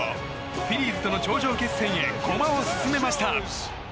フィリーズとの頂上決戦へ駒を進めました。